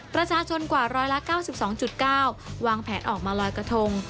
ประชาชนกว่า๑๙๒๙วางแผนออกมาลอยกระทง